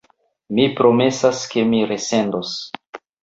Mi promesas, ke mi resendos.